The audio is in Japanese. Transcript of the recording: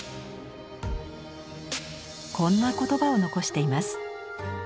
こんな言葉を残しています。